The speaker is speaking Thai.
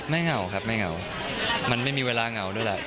เหงาครับไม่เหงามันไม่มีเวลาเหงาด้วยแหละ